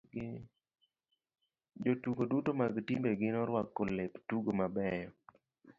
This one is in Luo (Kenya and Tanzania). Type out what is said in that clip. Jotugo duto mag timbe gi noruako lep tugo mabeyo.